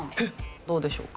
どうでしょうか？